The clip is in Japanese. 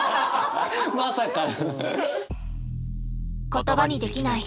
まさかの。